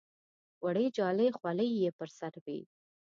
وړې جالۍ خولۍ یې پر سر وې.